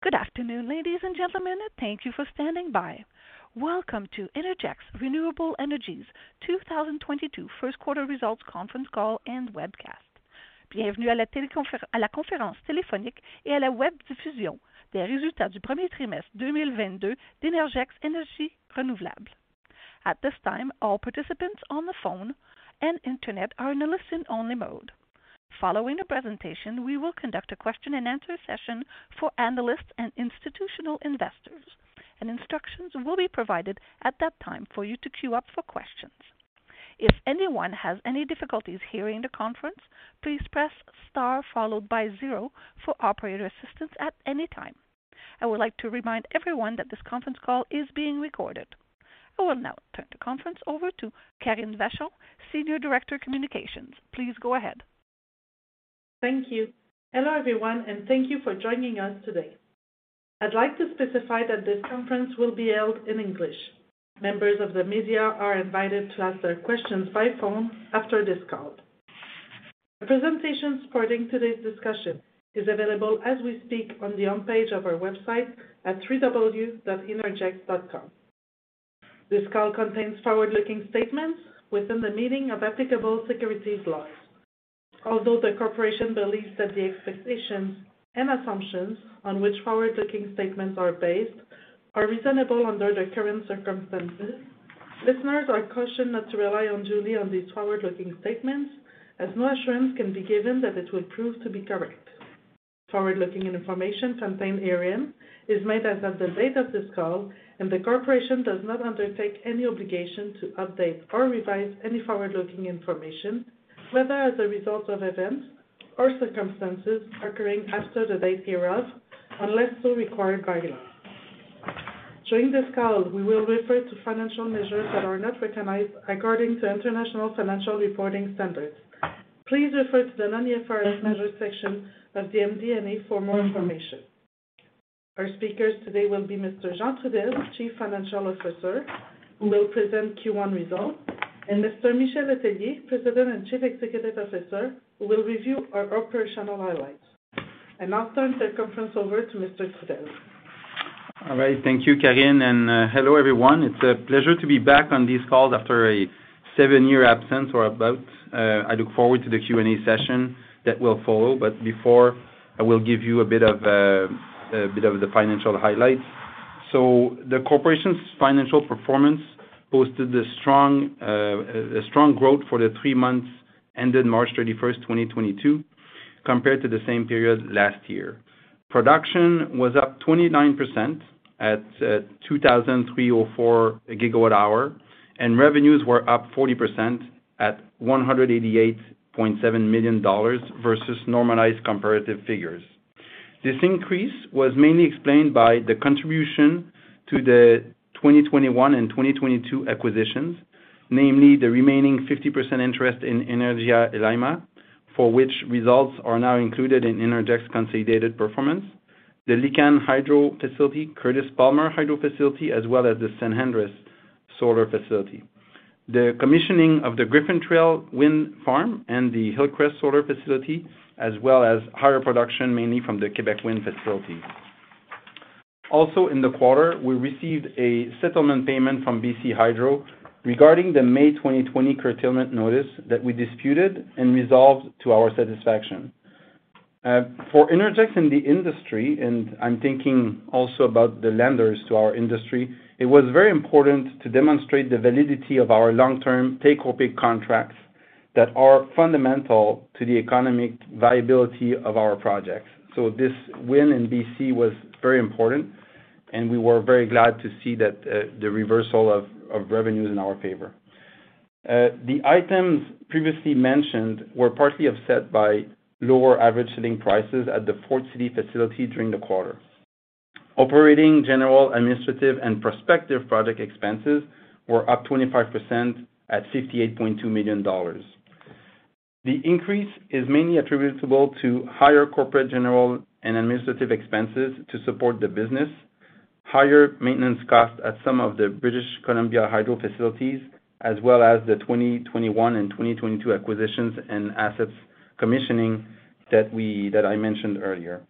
Good afternoon, ladies and gentlemen. Thank you for standing by. Welcome to Innergex Renewable Energy's 2022 first quarter results conference call and webcast. At this time, all participants on the phone and internet are in a listen-only mode. Following the presentation, we will conduct a question and answer session for analysts and institutional investors. Instructions will be provided at that time for you to queue up for questions. If anyone has any difficulties hearing the conference, please press star followed by zero for operator assistance at any time. I would like to remind everyone that this conference call is being recorded. I will now turn the conference over to Karine Vachon, Senior Director, Communications. Please go ahead. Thank you. Hello, everyone, and thank you for joining us today. I'd like to specify that this conference will be held in English. Members of the media are invited to ask their questions by phone after this call. The presentation supporting today's discussion is available as we speak on the home page of our website at www.innergex.com. This call contains forward-looking statements within the meaning of applicable securities laws. Although the corporation believes that the expectations and assumptions on which forward-looking statements are based are reasonable under the current circumstances, listeners are cautioned not to rely unduly on these forward-looking statements, as no assurance can be given that it will prove to be correct. Forward-looking information contained herein is made as of the date of this call, and the corporation does not undertake any obligation to update or revise any forward-looking information, whether as a result of events or circumstances occurring after the date hereof, unless so required by law. During this call, we will refer to financial measures that are not recognized according to International Financial Reporting Standards. Please refer to the non-IFRS measures section of the MD&A for more information. Our speakers today will be Mr. Jean Trudel, Chief Financial Officer, who will present Q1 results, and Mr. Michel Letellier, President and Chief Executive Officer, who will review our operational highlights. I'll turn the conference over to Mr. Trudel. All right. Thank you, Karine, and hello, everyone. It's a pleasure to be back on this call after a seven-year absence or about. I look forward to the Q&A session that will follow. Before, I will give you a bit of the financial highlights. The corporation's financial performance posted a strong growth for the three months ended March 31st, 2022, compared to the same period last year. Production was up 29% at 2,304 gigawatt hour, and revenues were up 40% at 188.7 million dollars versus normalized comparative figures. This increase was mainly explained by the contribution from the 2021 and 2022 acquisitions, namely the remaining 50% interest in Energía Llaima, for which results are now included in Innergex consolidated performance. The Licán Hydro facility, Curtis Palmer Hydro facility, as well as the San Andrés solar facility. The commissioning of the Griffin Trail Wind Farm and the Hillcrest Solar facility, as well as higher production, mainly from the Québec Wind facilities. Also in the quarter, we received a settlement payment from BC Hydro regarding the May 2020 curtailment notice that we disputed and resolved to our satisfaction. For Innergex in the industry, and I'm thinking also about the lenders to our industry, it was very important to demonstrate the validity of our long-term take-or-pay contracts that are fundamental to the economic viability of our projects. This win in BC was very important, and we were very glad to see that, the reversal of revenues in our favor. The items previously mentioned were partly offset by lower average selling prices at the Port City facility during the quarter. Operating, general, administrative, and prospective project expenses were up 25% at 58.2 million dollars. The increase is mainly attributable to higher corporate, general, and administrative expenses to support the business, higher maintenance costs at some of the BC Hydro facilities, as well as the 2021 and 2022 acquisitions and assets commissioning that I mentioned earlier.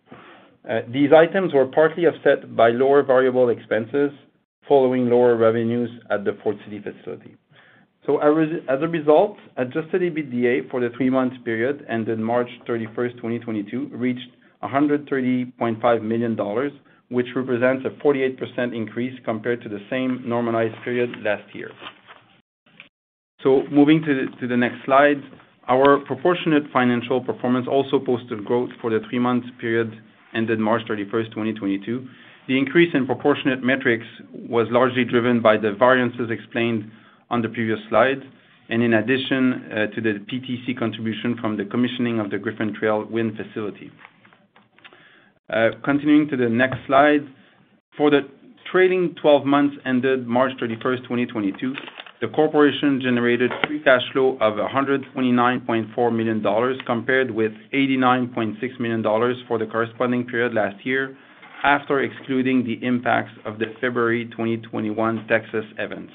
These items were partly offset by lower variable expenses following lower revenues at the Port City facility. As a result, Adjusted EBITDA for the three-month period ended March 31st, 2022, reached 130.5 million dollars, which represents a 48% increase compared to the same normalized period last year. Moving to the next slide, our proportionate financial performance also posted growth for the three-month period ended March 31st, 2022. The increase in proportionate metrics was largely driven by the variances explained on the previous slide, and in addition to the PTC contribution from the commissioning of the Griffin Trail wind facility. Continuing to the next slide. For the trading 12 months ended March 31st, 2022, the corporation generated free cash flow of 129.4 million dollars, compared with 89.6 million dollars for the corresponding period last year, after excluding the impacts of the February 2021 Texas events.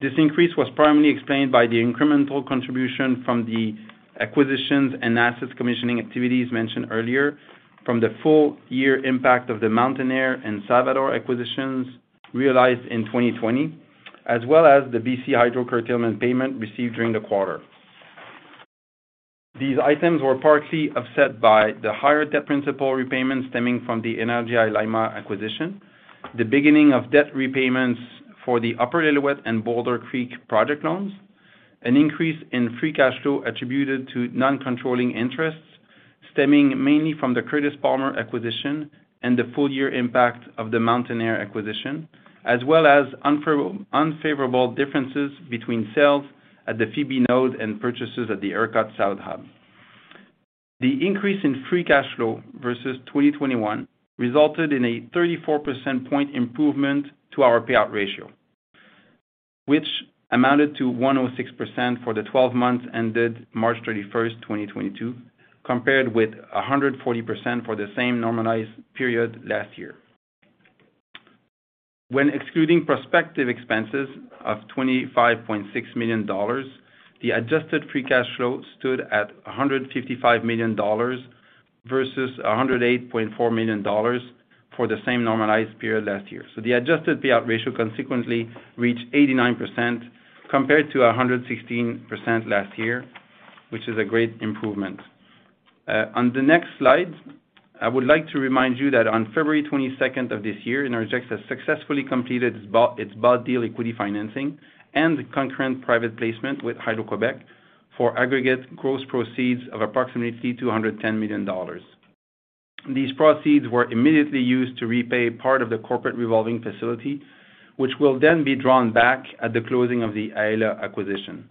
This increase was primarily explained by the incremental contribution from the acquisitions and assets commissioning activities mentioned earlier from the full year impact of the Mountainair and Salvador acquisitions realized in 2020, as well as the BC Hydro curtailment payment received during the quarter. These items were partly offset by the higher debt principal repayments stemming from the Energía Llaima acquisition, the beginning of debt repayments for the Upper Lillooet and Boulder Creek project loans, an increase in free cash flow attributed to non-controlling interests stemming mainly from the Curtis Palmer acquisition and the full year impact of the Mountainair acquisition, as well as unfavorable differences between sales at the Phoebe node and purchases at the ERCOT south hub. The increase in free cash flow versus 2021 resulted in a 34 percentage point improvement to our payout ratio, which amounted to 106% for the 12 months ended March 31st, 2022, compared with 140% for the same normalized period last year. When excluding prospective expenses of 25.6 million dollars, the adjusted free cash flow stood at 155 million dollars versus 108.4 million dollars for the same normalized period last year. The adjusted payout ratio consequently reached 89% compared to 116% last year, which is a great improvement. On the next slide, I would like to remind you that on February 22 of this year, Innergex has successfully completed its bought deal equity financing and concurrent private placement with Hydro-Québec for aggregate gross proceeds of approximately 210 million dollars. These proceeds were immediately used to repay part of the corporate revolving facility, which will then be drawn back at the closing of the Aela acquisition.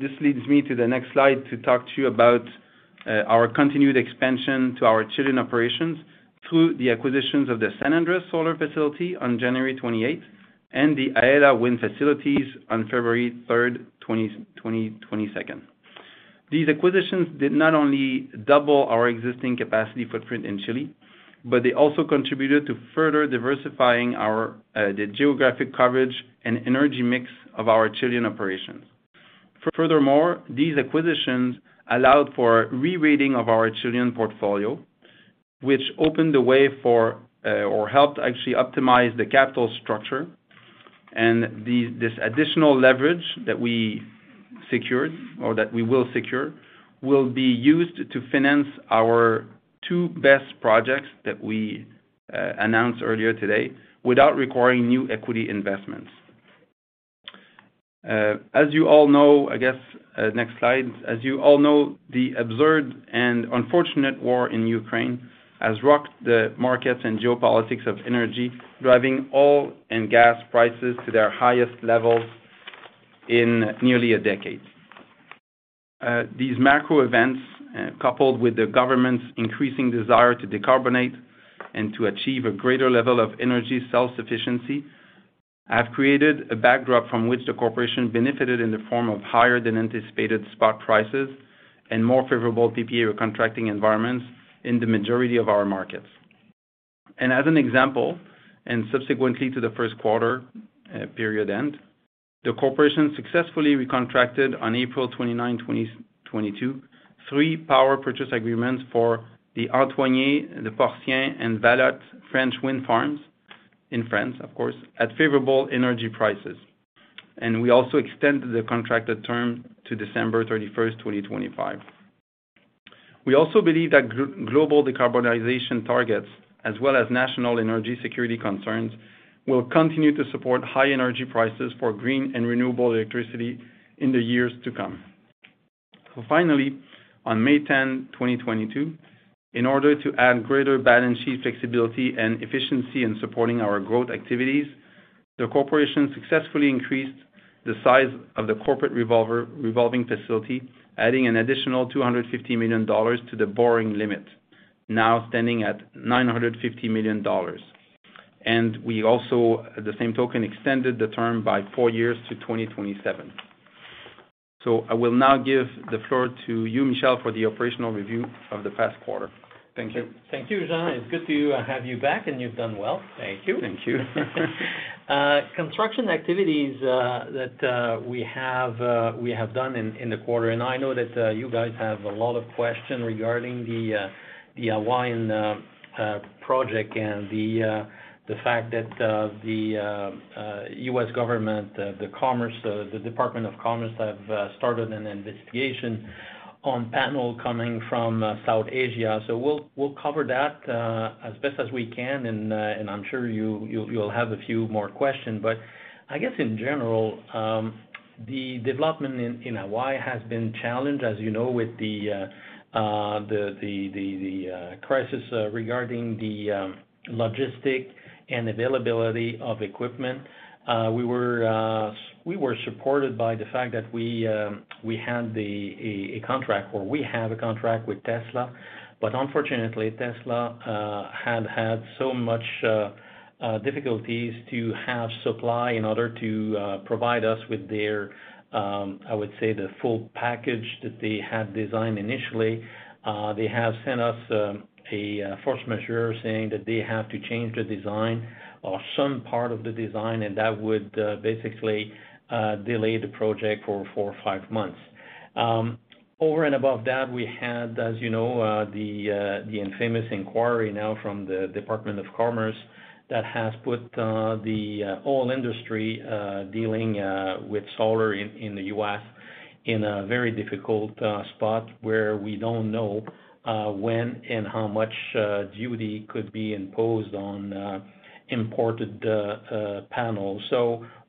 This leads me to the next slide to talk to you about our continued expansion to our Chilean operations through the acquisitions of the San Andrés Solar facility on January 28th, and the Aela Wind facilities on February 3rd, 2022. These acquisitions did not only double our existing capacity footprint in Chile, but they also contributed to further diversifying our the geographic coverage and energy mix of our Chilean operations. Furthermore, these acquisitions allowed for rerating of our Chilean portfolio, which opened the way for or helped actually optimize the capital structure. This additional leverage that we secured or that we will secure will be used to finance our two best projects that we announced earlier today without requiring new equity investments. As you all know, I guess, next slide. As you all know, the absurd and unfortunate war in Ukraine has rocked the markets and geopolitics of energy, driving oil and gas prices to their highest levels in nearly a decade. These macro events, coupled with the government's increasing desire to decarbonize and to achieve a greater level of energy self-sufficiency, have created a backdrop from which the corporation benefited in the form of higher than anticipated spot prices and more favorable PPA recontracting environments in the majority of our markets. As an example, and subsequently to the first quarter, period end, the corporation successfully recontracted on April 29, 2022, three power purchase agreements for the Antoigné, the Porcien, and Vallottes French wind farms in France, of course, at favorable energy prices. We also extended the contracted term to December 31st, 2025. We also believe that global decarbonization targets as well as national energy security concerns will continue to support high energy prices for green and renewable electricity in the years to come. Finally, on May 10, 2022, in order to add greater balance sheet flexibility and efficiency in supporting our growth activities, the corporation successfully increased the size of the corporate revolving facility, adding an additional $250 million to the borrowing limit, now standing at $950 million. We also, at the same time, extended the term by four years to 2027. I will now give the floor to you, Michel, for the operational review of the past quarter. Thank you. Thank you, Jean. It's good to have you back, and you've done well. Thank you. Thank you. Construction activities that we have done in the quarter. I know that you guys have a lot of questions regarding the Hawaiian project and the fact that the U.S. government, the Department of Commerce have started an investigation on panels coming from Southeast Asia. We'll cover that as best as we can and I'm sure you'll have a few more questions. I guess in general, the development in Hawaii has been challenged, as you know, with the crisis regarding the logistics and availability of equipment. We were supported by the fact that we had a contract or we have a contract with Tesla. Unfortunately, Tesla had so much difficulties to have supply in order to provide us with their, I would say the full package that they had designed initially. They have sent us a force majeure saying that they have to change the design or some part of the design, and that would basically delay the project for four or five months. Over and above that, we had, as you know, the infamous inquiry now from the Department of Commerce that has put the whole industry dealing with solar in the U.S. in a very difficult spot where we don't know when and how much duty could be imposed on imported panels.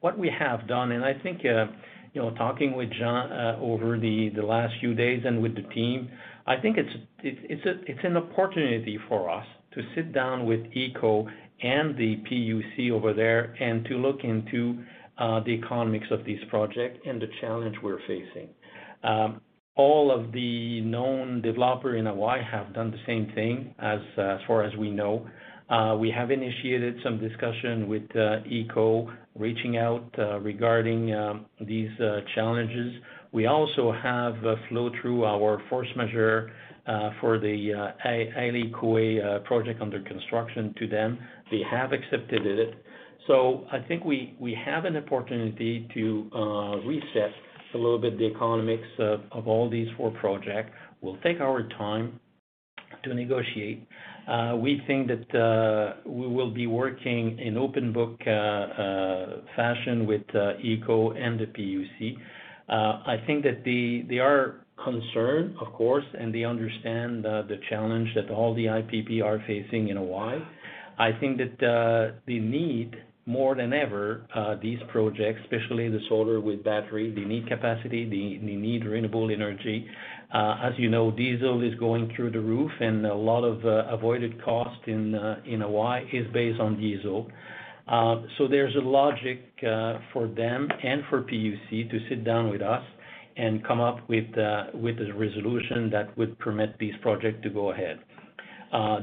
What we have done, and I think, you know, talking with John over the last few days and with the team, I think it's an opportunity for us to sit down with HECO and the PUC over there and to look into the economics of this project and the challenge we're facing. All of the known developer in Hawaii have done the same thing as far as we know. We have initiated some discussion with HECO reaching out regarding these challenges. We also have filed through our force majeure for the Aiea Koa project under construction to them. They have accepted it. I think we have an opportunity to reset a little bit the economics of all these four projects. We'll take our time to negotiate. We think that we will be working in open book fashion with HECO and the PUC. I think that they are concerned, of course, and they understand the challenge that all the IPP are facing in Hawaii. I think that they need more than ever these projects, especially the solar with battery. They need capacity. They need renewable energy. As you know, diesel is going through the roof, and a lot of avoided cost in Hawaii is based on diesel. There's a logic for them and for PUC to sit down with us and come up with a resolution that would permit this project to go ahead.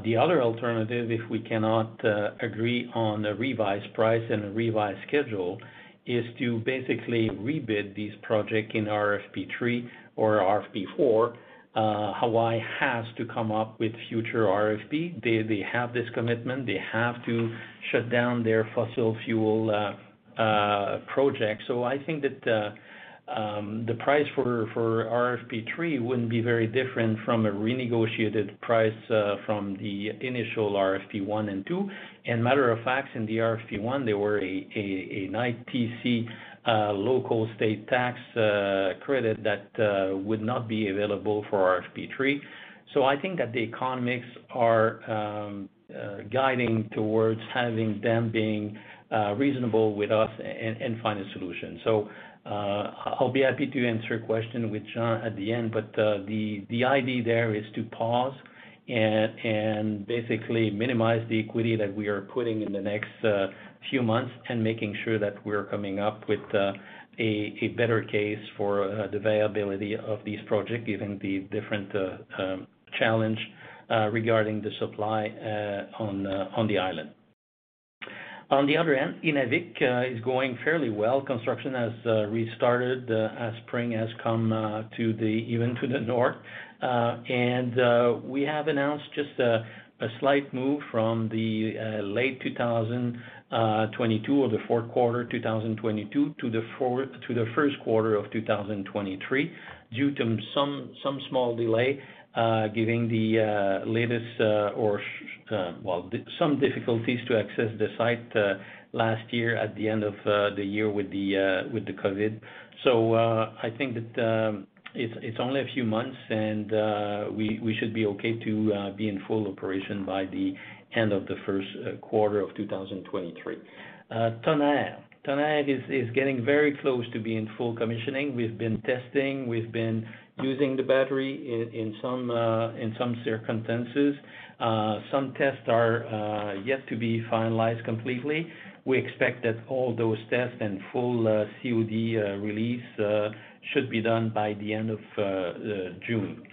The other alternative, if we cannot agree on a revised price and a revised schedule, is to basically rebid this project in RFP 3 or RFP 4. Hawaii has to come up with future RFP. They have this commitment. They have to shut down their fossil fuel project. I think that the price for RFP 3 wouldn't be very different from a renegotiated price from the initial RFP 1 and 2. Matter of fact, in the RFP 1, there were a 9% local state tax credit that would not be available for RFP 3. I think that the economics are guiding towards having them being reasonable with us and find a solution. I'll be happy to answer a question with John at the end. The idea there is to pause and basically minimize the equity that we are putting in the next few months, and making sure that we're coming up with a better case for the viability of this project, given the different challenges regarding the supply on the island. On the other end, Inuvik is going fairly well. Construction has restarted as spring has come to the north, even to the north. We have announced just a slight move from the late 2022 or the fourth quarter 2022 to the first quarter of 2023, due to some small delay, some difficulties to access the site last year at the end of the year with the COVID. I think that it's only a few months, and we should be okay to be in full operation by the end of the first quarter of 2023. Tonnerre is getting very close to being full commissioning. We've been testing. We've been using the battery in some circumstances. Some tests are yet to be finalized completely. We expect that all those tests and full COD release should be done by the end of June.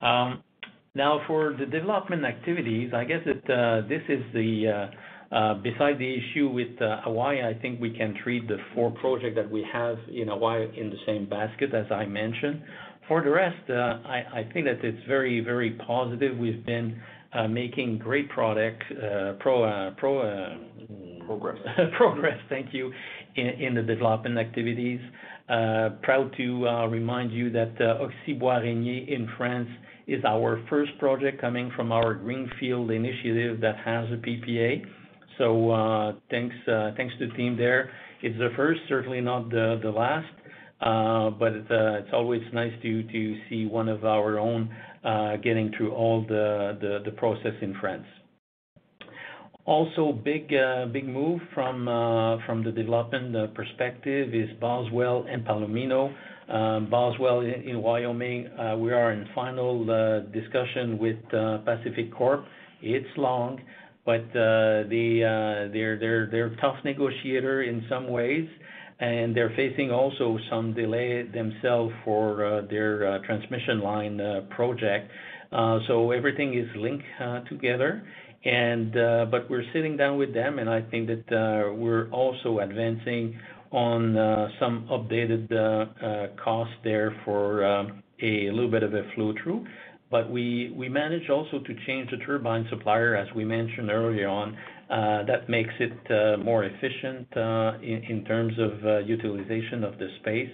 Now for the development activities, I guess that this is besides the issue with Hawaii, I think we can treat the four projects that we have in Hawaii in the same basket as I mentioned. For the rest, I think that it's very positive. We've been making great progress. Progress. Progress in the development activities. Thank you. Proud to remind you that Auxy-Bois-René in France is our first project coming from our greenfield initiative that has a PPA. Thanks to the team there. It's the first, certainly not the last, but it's always nice to see one of our own getting through all the process in France. Also, big move from the development perspective is Boswell and Palomino. Boswell in Wyoming, we are in final discussion with PacifiCorp. It's long, but they're tough negotiator in some ways, and they're facing also some delay themselves for their transmission line project. Everything is linked together, but we're sitting down with them, and I think that we're also advancing on some updated cost there for a little bit of a flow-through. We managed also to change the turbine supplier, as we mentioned earlier on. That makes it more efficient in terms of utilization of the space.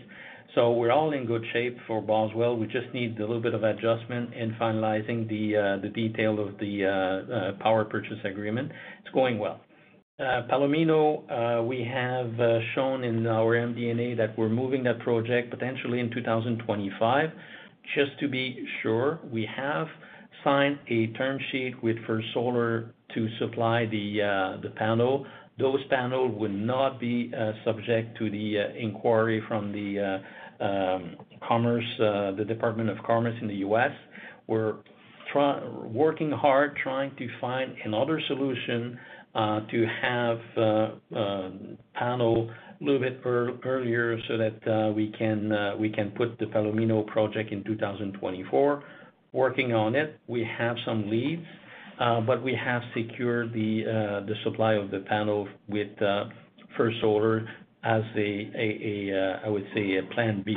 We're all in good shape for Boswell. We just need a little bit of adjustment in finalizing the detail of the power purchase agreement. It's going well. Palomino, we have shown in our MD&A that we're moving that project potentially in 2025, just to be sure. We have signed a term sheet with First Solar to supply the panel. Those panels would not be subject to the inquiry from the Department of Commerce in the U.S. We're working hard trying to find another solution to have panels a little bit earlier so that we can put the Palomino project in 2024. Working on it. We have some leads, but we have secured the supply of the panels with First Solar as a, I would say, a plan B.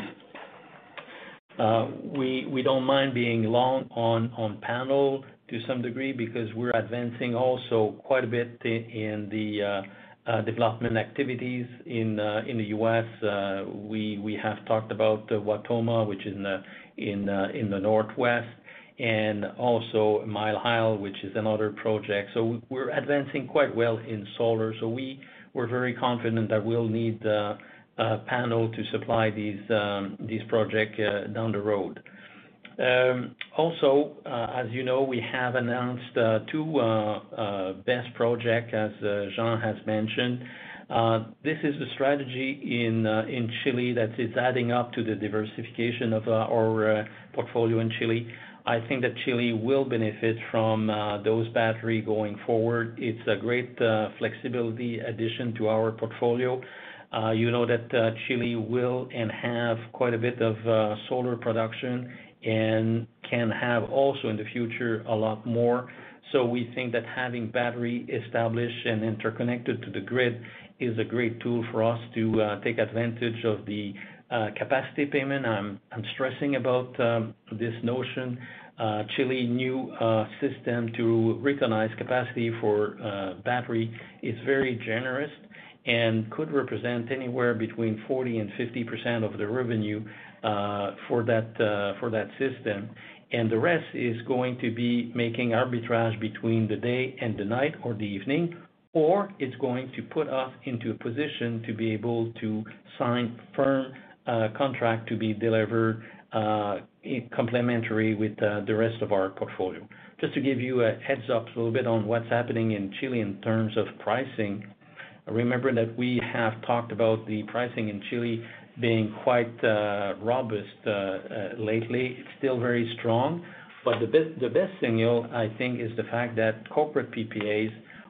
We don't mind being long on panels to some degree because we're advancing also quite a bit in the development activities in the U.S. We have talked about Wautoma, which is in the Northwest, and also Mile Hill, which is another project. We're advancing quite well in solar. We're very confident that we'll need panels to supply these projects down the road. Also, as you know, we have announced two BESS projects, as Jean has mentioned. This is a strategy in Chile that is adding up to the diversification of our portfolio in Chile. I think that Chile will benefit from those batteries going forward. It's a great flexibility addition to our portfolio. You know that Chile will and has quite a bit of solar production and can have also in the future a lot more. We think that having batteries established and interconnected to the grid is a great tool for us to take advantage of the capacity payment. I'm stressing about this notion. Chile's new system to recognize capacity for battery is very generous and could represent anywhere between 40%-50% of the revenue for that system. The rest is going to be making arbitrage between the day and the night or the evening, or it's going to put us into a position to be able to sign firm contract to be delivered complementary with the rest of our portfolio. Just to give you a heads up a little bit on what's happening in Chile in terms of pricing. Remember that we have talked about the pricing in Chile being quite robust lately. It's still very strong. The best signal, I think, is the fact that corporate PPAs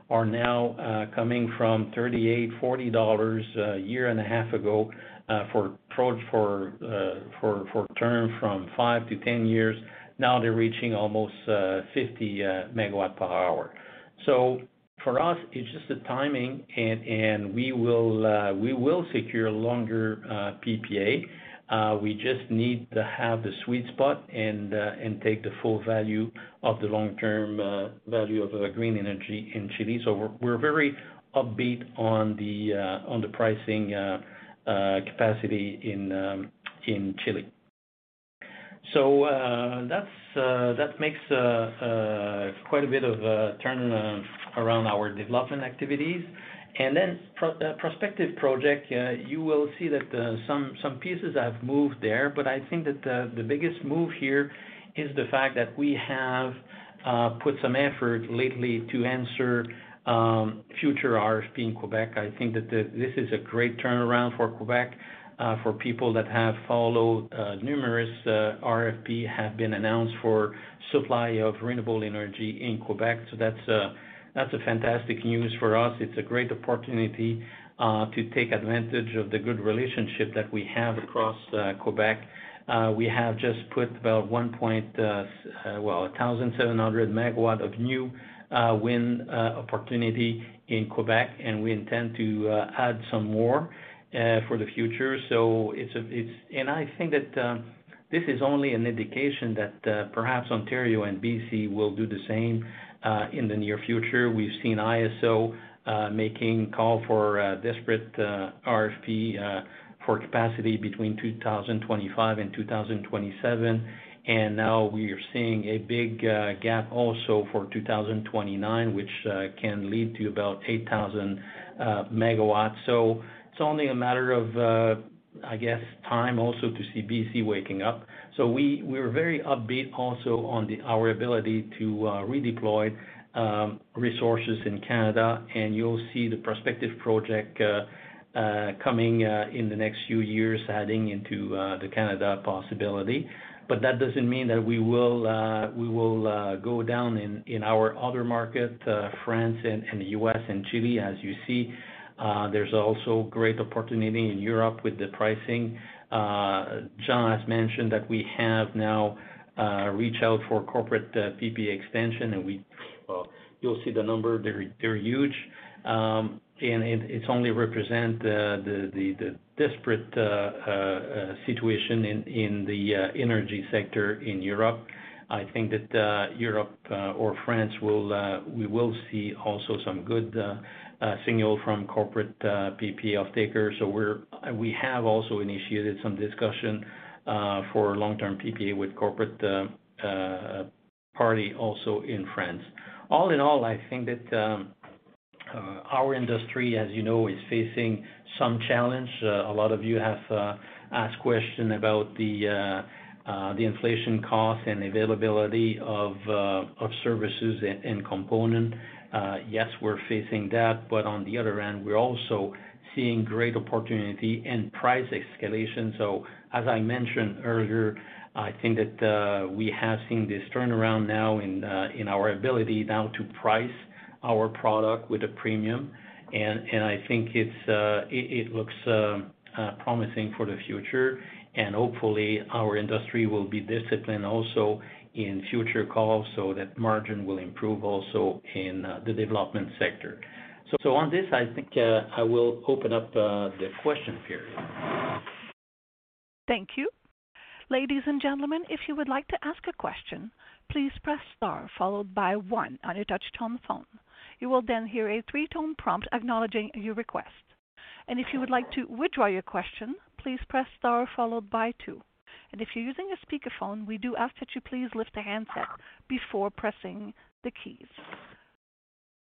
are now coming from $38-$40 a year and a half ago for term from 5-10 years. Now they're reaching almost $50 MW-hour. For us, it's just the timing and we will secure longer PPA. We just need to have the sweet spot and take the full value of the long-term value of the green energy in Chile. We're very upbeat on the pricing capacity in Chile. That makes quite a bit of a turnaround our development activities. Prospective project, you will see that some pieces have moved there. I think that the biggest move here is the fact that we have put some effort lately to answer future RFP in Quebec. I think that this is a great turnaround for Quebec for people that have followed numerous RFP have been announced for supply of renewable energy in Quebec. That's a fantastic news for us. It's a great opportunity to take advantage of the good relationship that we have across Quebec. We have just put about 1,700 MW of new wind opportunity in Quebec, and we intend to add some more for the future. I think that this is only an indication that perhaps Ontario and BC will do the same in the near future. We've seen IESO making call for desperate RFP for capacity between 2025 and 2027. Now we are seeing a big gap also for 2029, which can lead to about 8,000 MW. It's only a matter of, I guess, time also to see BC waking up. We're very upbeat also on our ability to redeploy resources in Canada, and you'll see the prospective project coming in the next few years adding into the Canada possibility. That doesn't mean that we will go down in our other market, France and US and Chile. As you see, there's also great opportunity in Europe with the pricing. Jean has mentioned that we have now reached out for corporate PPA extension, and you'll see the number. They're huge. It only represents the desperate situation in the energy sector in Europe. I think that Europe or France will see also some good signals from corporate PPA off-takers. We have also initiated some discussion for long-term PPA with corporate parties also in France. All in all, I think that our industry, as you know, is facing some challenges. A lot of you have asked questions about the inflation costs and availability of services and components. Yes, we're facing that, but on the other end, we're also seeing great opportunity and price escalation. As I mentioned earlier, I think that we have seen this turnaround now in our ability now to price our product with a premium. I think it looks promising for the future. Hopefully, our industry will be disciplined also in future calls so that margin will improve also in the development sector. On this, I think I will open up the question period. Thank you. Ladies and gentlemen, if you would like to ask a question, please press star followed by one on your touch tone phone. You will then hear a three-tone prompt acknowledging your request. If you would like to withdraw your question, please press star followed by two. If you're using a speakerphone, we do ask that you please lift the handset before pressing the keys.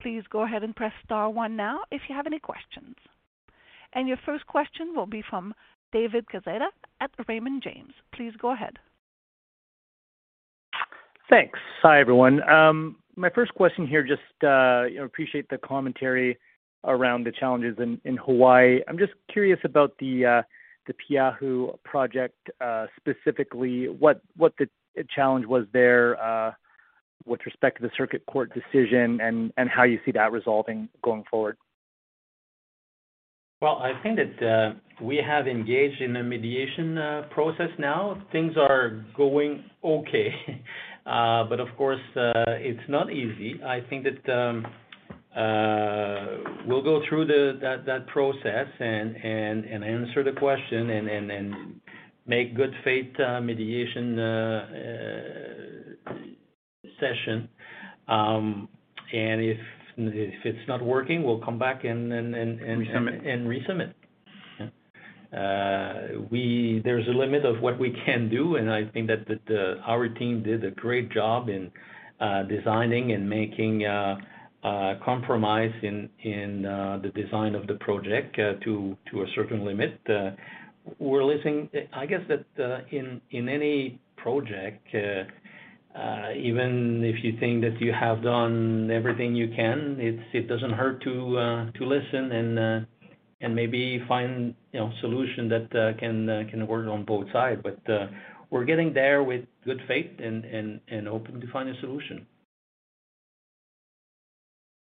Please go ahead and press star one now if you have any questions. Your first question will be from David Quezada at Raymond James. Please go ahead. Thanks. Hi, everyone. My first question here, just, you know, appreciate the commentary around the challenges in Hawaii. I'm just curious about the Paeahu project, specifically. What the challenge was there, with respect to the Circuit Court decision and how you see that resolving going forward? Well, I think that we have engaged in a mediation process now. Things are going okay. Of course, it's not easy. I think that we'll go through that process and answer the question and make good faith mediation session. If it's not working, we'll come back and Resubmit. Resubmit. Yeah. There's a limit of what we can do, and I think that our team did a great job in designing and making a compromise in the design of the project to a certain limit. We're listening. I guess that in any project, even if you think that you have done everything you can, it doesn't hurt to listen and and maybe find, you know, solution that can work on both sides. We're getting there with good faith and hoping to find a solution.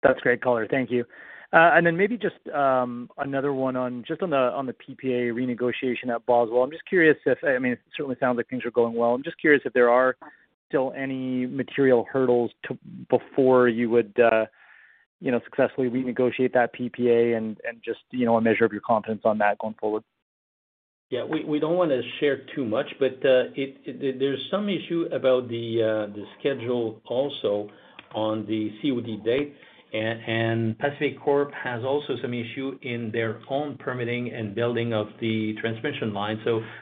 That's great color. Thank you. Maybe just another one on the PPA renegotiation at Boswell. I'm just curious. I mean, it certainly sounds like things are going well. I'm just curious if there are still any material hurdles before you would, you know, successfully renegotiate that PPA and just, you know, a measure of your confidence on that going forward. Yeah. We don't wanna share too much, but there's some issue about the schedule also on the COD date. PacifiCorp has also some issue in their own permitting and building of the transmission line.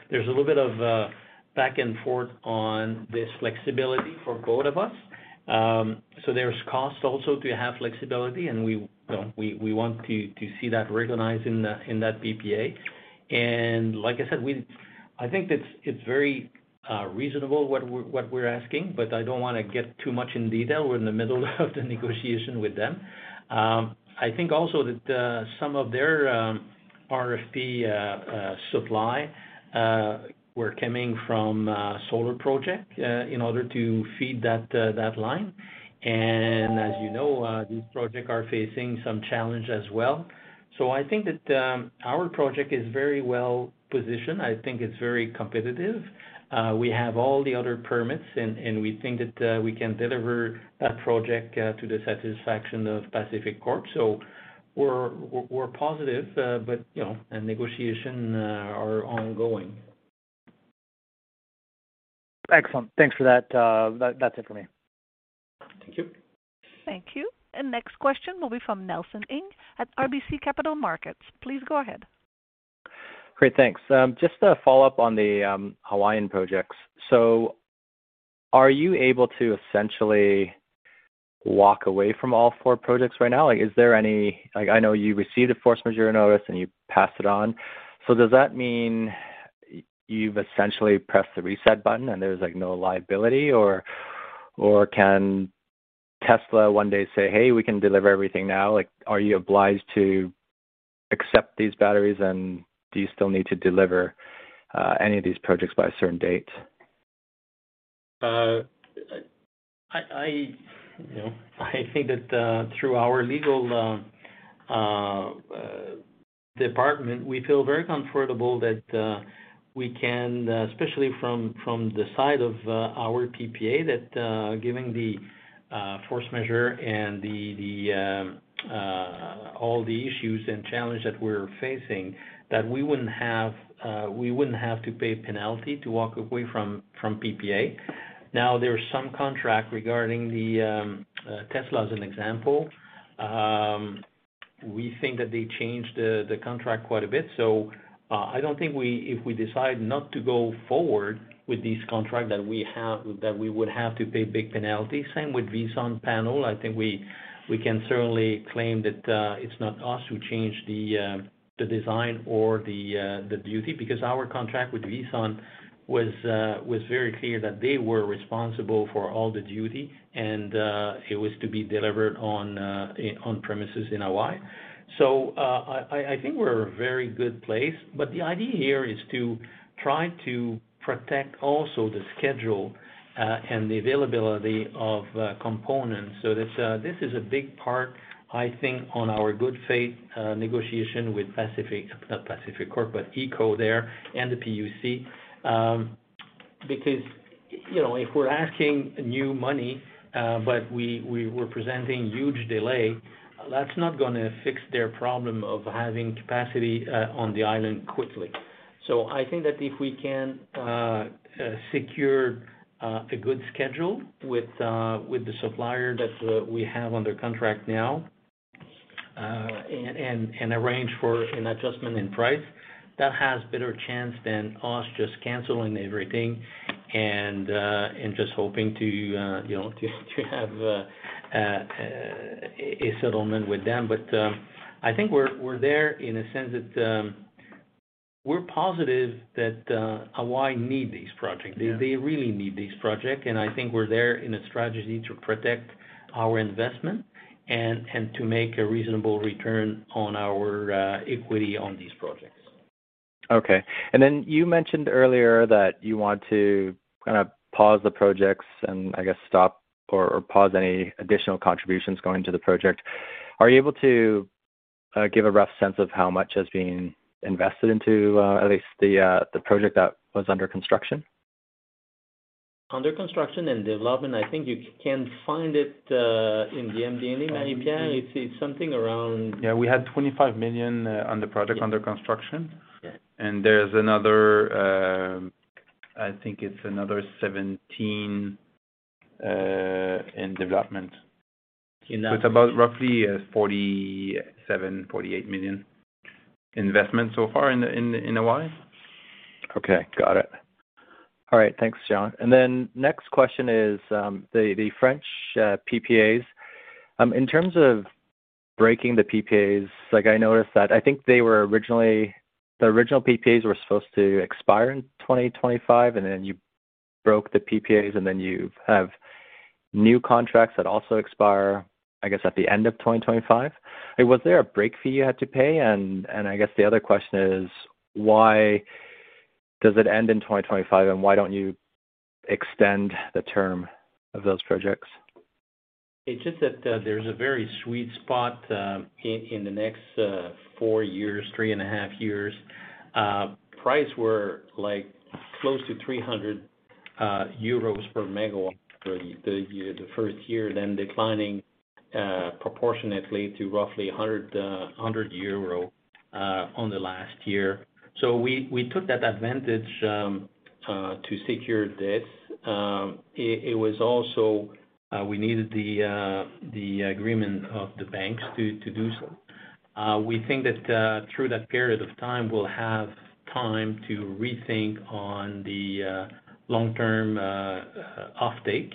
There's a little bit of back and forth on this flexibility for both of us. There's cost also to have flexibility, and we want to see that recognized in that PPA. Like I said, I think it's very reasonable what we're asking, but I don't wanna get too much in detail. We're in the middle of the negotiation with them. I think also that some of their RFP supply were coming from a solar project in order to feed that line. As you know, these projects are facing some challenges as well. I think that our project is very well-positioned. I think it's very competitive. We have all the other permits, and we think that we can deliver that project to the satisfaction of PacifiCorp. We're positive, but you know, negotiations are ongoing. Excellent. Thanks for that. That's it for me. Thank you. Thank you. Next question will be from Nelson Ng at RBC Capital Markets. Please go ahead. Great. Thanks. Just to follow up on the Hawaiian projects. So are you able to essentially walk away from all four projects right now? I know you received a force majeure notice and you passed it on. So does that mean you've essentially pressed the reset button and there's, like, no liability? Or can Tesla one day say, "Hey, we can deliver everything now." Like, are you obliged to accept these batteries? And do you still need to deliver any of these projects by a certain date? You know, I think that through our legal department, we feel very comfortable that we can, especially from the side of our PPA, that given the force majeure and all the issues and challenges that we're facing, that we wouldn't have to pay penalty to walk away from PPA. Now, there is some contract regarding the Tesla as an example. We think that they changed the contract quite a bit. I don't think if we decide not to go forward with this contract that we have, that we would have to pay big penalty. Same with Vina Solar. I think we can certainly claim that it's not us who changed the design or the duty. Because our contract with Vina Solar was very clear that they were responsible for all the duty and it was to be delivered on premises in Hawaii. I think we're at a very good place. The idea here is to try to protect also the schedule and the availability of components. That is a big part, I think, on our good faith negotiation with Pacific, not PacifiCorp, but HECO there and the PUC. You know, if we're asking new money but we were presenting huge delay, that's not gonna fix their problem of having capacity on the island quickly. I think that if we can secure a good schedule with the supplier that we have under contract now, and arrange for an adjustment in price, that has better chance than us just canceling everything and just hoping to, you know, to have a settlement with them. I think we're there in a sense that we're positive that Hawaii need these projects. Yeah. They really need these projects, and I think we're there in a strategy to protect our investment and to make a reasonable return on our equity on these projects. Okay. You mentioned earlier that you want to kind of pause the projects and I guess stop or pause any additional contributions going to the project. Are you able to give a rough sense of how much has been invested into at least the project that was under construction? Under construction and development, I think you can find it in the MD&A, Marie-Pierre. It's something around- Yeah, we had 25 million on the project under construction. Yeah. There's another, I think it's another 17 in development. In that- It's about roughly $47-48 million investment so far in Hawaii. Okay, got it. All right, thanks, Jean. Next question is the French PPAs. In terms of breaking the PPAs, like I noticed that I think they were originally the original PPAs were supposed to expire in 2025, and then you broke the PPAs, and then you have new contracts that also expire, I guess, at the end of 2025. Was there a break fee you had to pay? And I guess the other question is why does it end in 2025, and why don't you extend the term of those projects? It's just that, there's a very sweet spot in the next four years, three and a half years. Prices were like close to 300 euros per megawatt for the first year, then declining proportionately to roughly 100 euro on the last year. We took that advantage to secure this. It was also, we needed the agreement of the banks to do so. We think that through that period of time, we'll have time to rethink on the long-term offtake.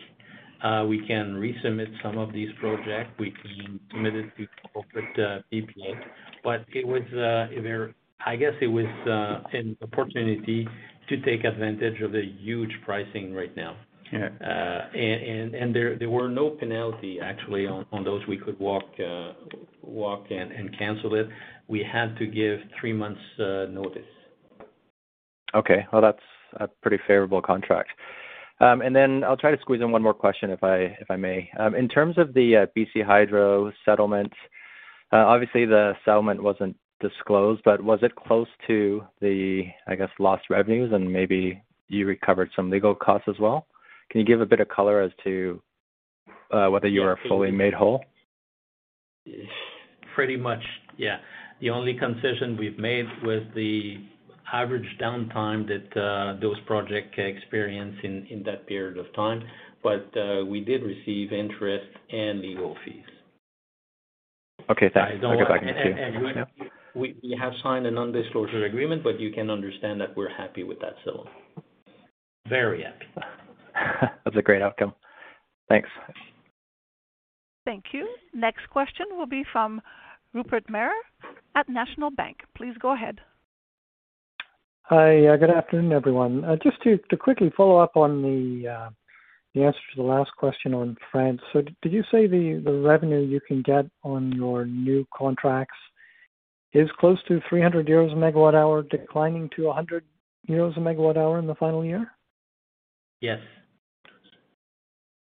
We can resubmit some of these projects. We can submit it to corporate PPA. It was a very. I guess it was an opportunity to take advantage of the huge pricing right now. Yeah. There were no penalty actually on those. We could walk and cancel it. We had to give three months notice. Okay. Well, that's a pretty favorable contract. Then I'll try to squeeze in one more question if I may. In terms of the BC Hydro settlement, obviously the settlement wasn't disclosed, but was it close to the, I guess, lost revenues and maybe you recovered some legal costs as well? Can you give a bit of color as to whether you were fully made whole? Pretty much, yeah. The only concession we've made was the average downtime that those projects experienced in that period of time. We did receive interest and legal fees. Okay, thanks. I don't- I guess I can see. Yeah. We have signed a non-disclosure agreement, but you can understand that we're happy with that settlement. Very happy. That's a great outcome. Thanks. Thank you. Next question will be from Rupert Merer at National Bank Financial. Please go ahead. Hi. Yeah, good afternoon, everyone. Just to quickly follow up on the answer to the last question on France. Did you say the revenue you can get on your new contracts is close to 300 euros a megawatt hour, declining to 100 euros a megawatt hour in the final year? Yes.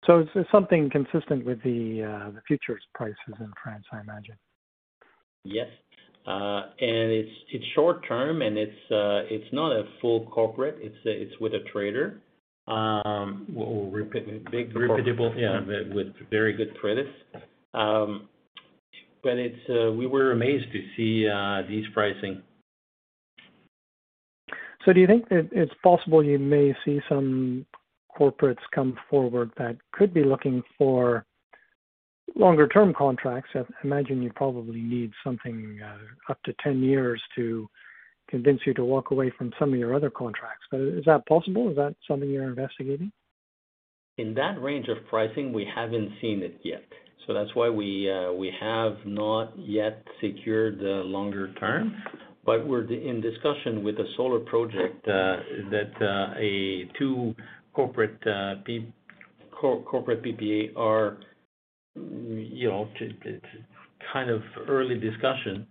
It's something consistent with the futures prices in France, I imagine. Yes. It's short term, and it's not a full corporate. It's with a trader. Well, reputable. Reputable, yeah, with very good credits. We were amazed to see these pricing. Do you think that it's possible you may see some corporates come forward that could be looking for longer term contracts? I imagine you probably need something up to 10 years to convince you to walk away from some of your other contracts. Is that possible? Is that something you're investigating? In that range of pricing, we haven't seen it yet, so that's why we have not yet secured the longer term. We're in discussion with a solar project that two corporate PPAs are, you know, in kind of early discussion.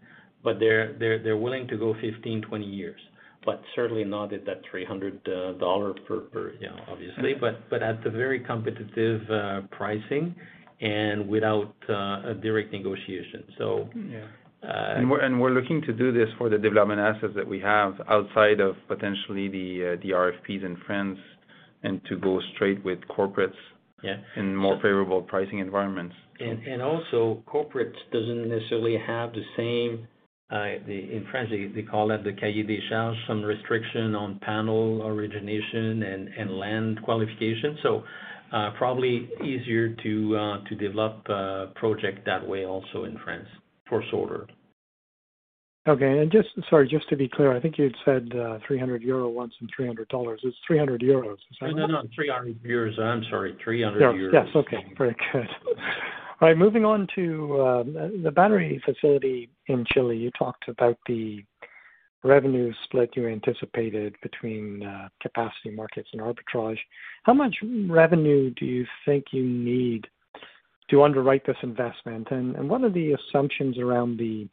They're willing to go 15-20 years, but certainly not at that $300 per you know, obviously. At a very competitive pricing and without a direct negotiation. Yeah. Uh- We're looking to do this for the development assets that we have outside of potentially the RFPs in France and to go straight with corporates. Yeah in more favorable pricing environments. Also corporates doesn't necessarily have the same, in France they call it the Okay. Sorry, just to be clear, I think you'd said 300 euro once and $300. It's 300 euros. Is that right? No, no, 300 euros. I'm sorry. 300 euros. Yes. Yes. Okay. Very good. All right, moving on to the battery facility in Chile. You talked about the revenue split you anticipated between capacity markets and arbitrage. How much revenue do you think you need to underwrite this investment? What are the assumptions around the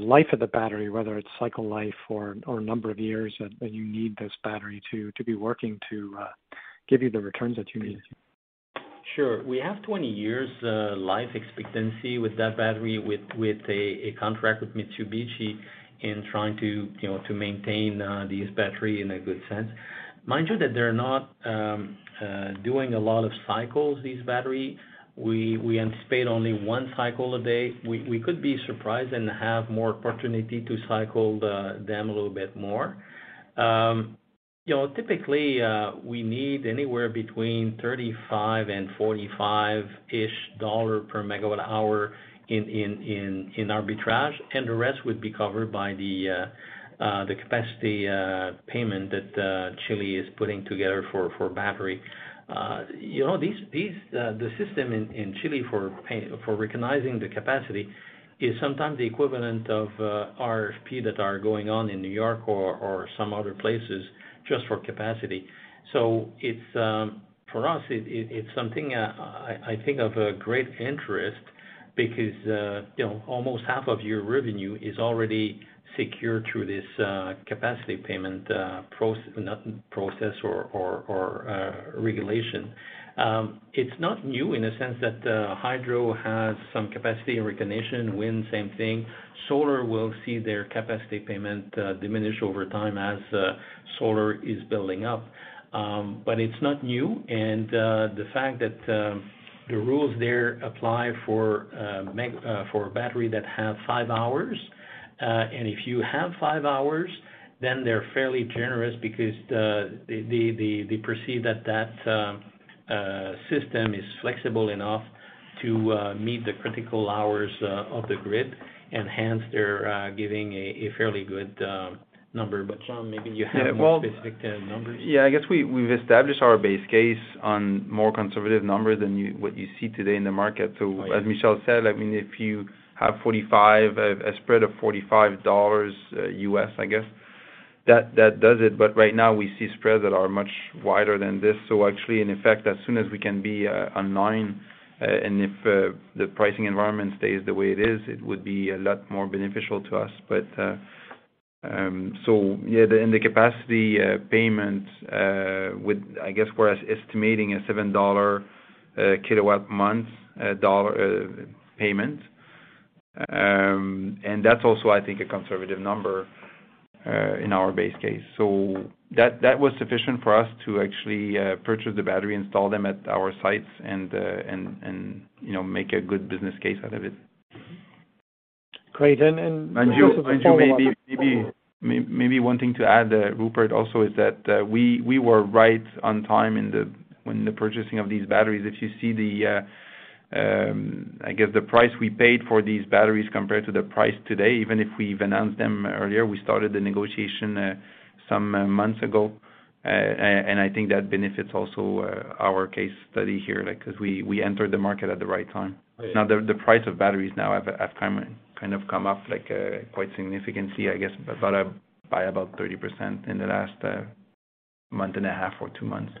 life of the battery, whether it's cycle life or number of years that you need this battery to be working to give you the returns that you need? Sure. We have 20 years life expectancy with that battery, with a contract with Mitsubishi and trying to, you know, to maintain this battery in a good sense. Mind you that they're not doing a lot of cycles, these battery. We anticipate only one cycle a day. We could be surprised and have more opportunity to cycle them a little bit more. You know, typically, we need anywhere between $35 and $45-ish per MWh in arbitrage, and the rest would be covered by the capacity payment that Chile is putting together for battery. You know, these the system in Chile for recognizing the capacity is sometimes the equivalent of RFP that are going on in New York or some other places just for capacity. It's for us, it's something I think of a great interest because you know, almost half of your revenue is already secured through this capacity payment not process or regulation. It's not new in the sense that hydro has some capacity recognition. Wind, same thing. Solar will see their capacity payment diminish over time as solar is building up. It's not new. The fact that the rules there apply for battery that have five hours, and if you have five hours, then they're fairly generous because they perceive that that system is flexible enough to meet the critical hours of the grid, and hence they're giving a fairly good number. Jean, maybe you have more specific numbers. Yeah, I guess we've established our base case on more conservative numbers than what you see today in the market. As Michel said, I mean, if you have a spread of $45, that does it. Right now, we see spreads that are much wider than this. Actually in effect, as soon as we can be online and if the pricing environment stays the way it is, it would be a lot more beneficial to us. The capacity payments. I guess we're estimating a $7 kW-month payment. That's also I think a conservative number in our base case. That was sufficient for us to actually purchase the battery, install them at our sites and you know, make a good business case out of it. Great. Mind you, maybe one thing to add, Rupert, also is that we were right on time in the when the purchasing of these batteries. If you see the I guess the price we paid for these batteries compared to the price today, even if we've announced them earlier, we started the negotiation some months ago. I think that benefits also our case study here, like, 'cause we entered the market at the right time. Right. Now, the price of batteries now have kind of come up like quite significantly, I guess by about 30% in the last month and a half or two months.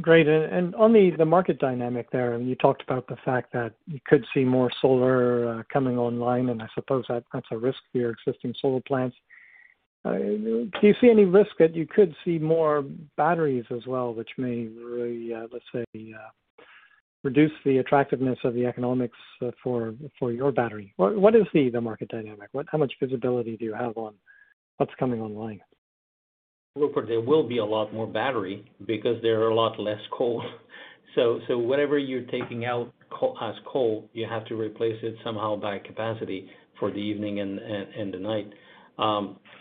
Great. On the market dynamic there, you talked about the fact that you could see more solar coming online, and I suppose that's a risk to your existing solar plants. Do you see any risk that you could see more batteries as well, which may really let's say reduce the attractiveness of the economics for your battery? What is the market dynamic? How much visibility do you have on what's coming online? Reports there will be a lot more battery because there are a lot less coal. Whatever you're taking out coal as coal, you have to replace it somehow by capacity for the evening and the night.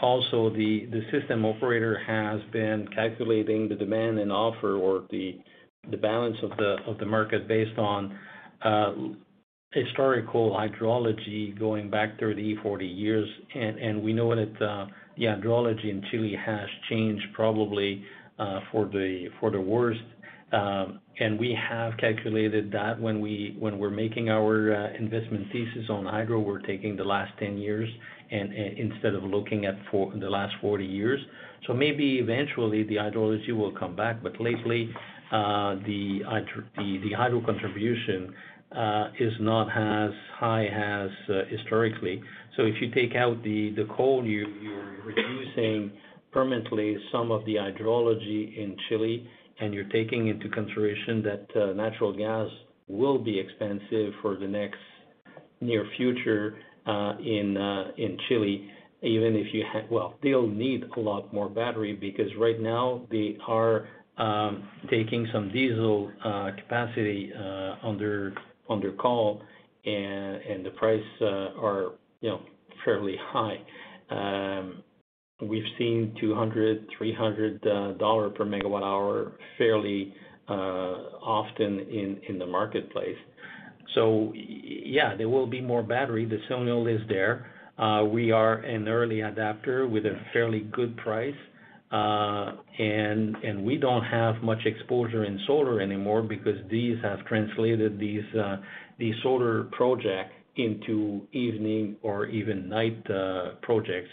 Also, the system operator has been calculating the demand and supply or the balance of the market based on historical hydrology going back 30, 40 years. We know that the hydrology in Chile has changed probably for the worst. We have calculated that when we're making our investment thesis on hydro, we're taking the last 10 years instead of looking at the last 40 years. Maybe eventually the hydrology will come back, but lately, the hydro contribution is not as high as historically. If you take out the coal, you're reducing permanently some of the hydrology in Chile, and you're taking into consideration that natural gas will be expensive for the next near future in Chile. They'll need a lot more battery because right now they are taking some diesel capacity under call, and the price are, you know, fairly high. We've seen $200-$300 per MWh fairly often in the marketplace. Yeah, there will be more battery. The signal is there. We are an early adopter with a fairly good price, and we don't have much exposure in solar anymore because these have translated these solar project into evening or even night projects.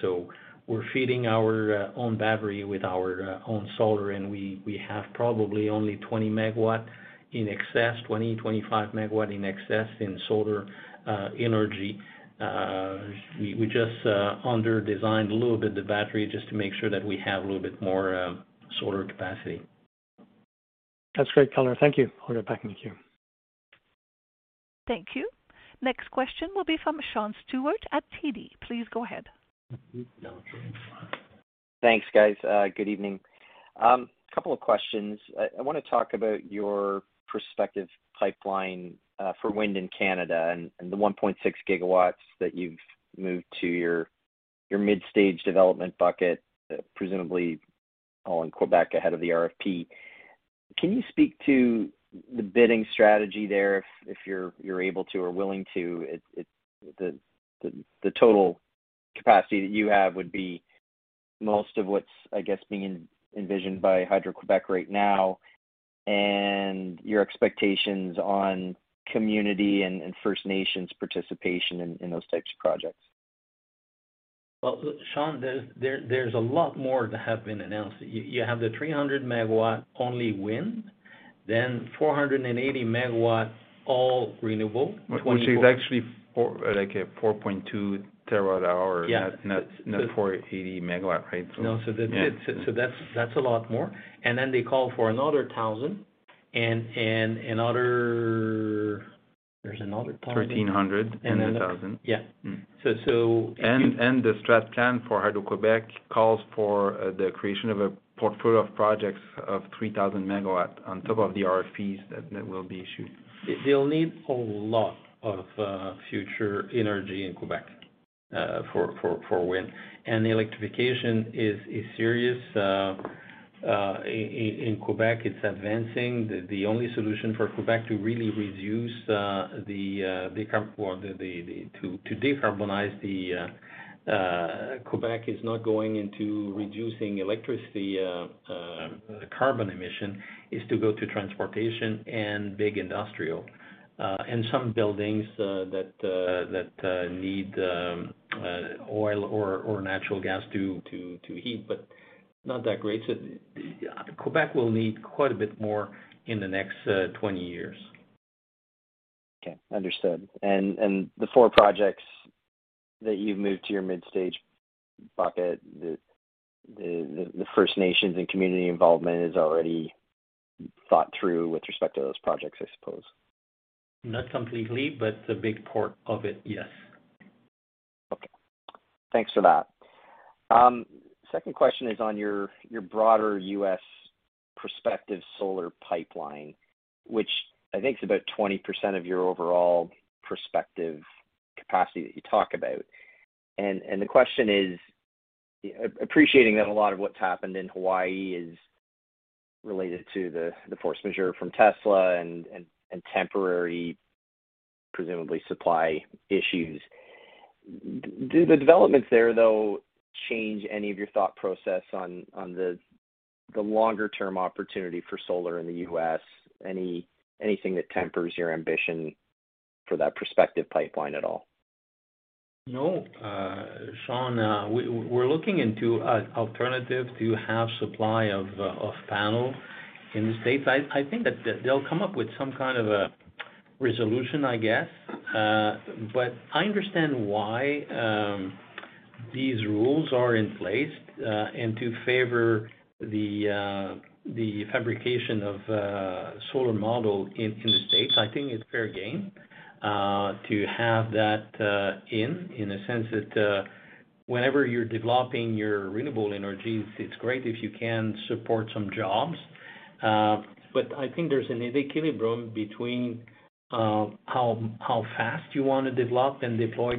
We're feeding our own battery with our own solar, and we have probably only 20 MW in excess, 20-25 MW in excess in solar energy. We just underdesigned a little bit the battery just to make sure that we have a little bit more solar capacity. That's great, Connor. Thank you. I'll get back in the queue. Thank you. Next question will be from Sean Steuart at TD. Please go ahead. Thanks, guys. Good evening. Couple of questions. I wanna talk about your prospective pipeline for wind in Canada and the 1.6 GW that you've moved to your midstage development bucket, presumably all in Quebec, ahead of the RFP. Can you speak to the bidding strategy there if you're able to or willing to? The total capacity that you have would be most of what's, I guess, being envisioned by Hydro-Québec right now, and your expectations on community and First Nations participation in those types of projects. Well, Sean, there's a lot more that have been announced. You have the 300 MW wind only, then 480 MW all renewable- Which is actually like a 4.2 TWh. Yeah. Not 480 MW, right? No. That's Yeah. That's a lot more. Then they call for another thousand and another. There's another part. Thirteen hundred and a thousand. Yeah. Mm-hmm. If you- The strategic plan for Hydro-Québec calls for the creation of a portfolio of projects of 3,000 megawatts on top of the RFPs that will be issued. They'll need a lot of future energy in Quebec for wind. The electrification is serious. In Quebec, it's advancing. The only solution for Quebec to really reduce the carbon emission is to go to transportation and big industry and some buildings that need oil or natural gas to heat, but not that great. Quebec will need quite a bit more in the next 20 years. Okay. Understood. The four projects that you've moved to your midstage bucket, the First Nations and community involvement is already thought through with respect to those projects, I suppose. Not completely, but a big part of it, yes. Okay. Thanks for that. Second question is on your broader U.S. prospective solar pipeline, which I think is about 20% of your overall prospective capacity that you talk about. The question is, appreciating that a lot of what's happened in Hawaii is related to the force majeure from Tesla and temporary, presumably supply issues. Do the developments there, though, change any of your thought process on the longer term opportunity for solar in the U.S.? Anything that tempers your ambition for that prospective pipeline at all? No, Sean, we're looking into an alternative to have supply of panels in the States. I think that they'll come up with some kind of a resolution, I guess. I understand why these rules are in place and to favor the fabrication of solar modules in the States. I think it's fair game to have that, in a sense that whenever you're developing your renewable energy, it's great if you can support some jobs. I think there's an equilibrium between how fast you want to develop and deploy